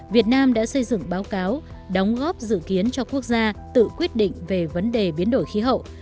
việt nam đã xây dựng báo cáo đóng góp dự kiến cho quốc gia tự quyết định về vấn đề biến đổi khí hậu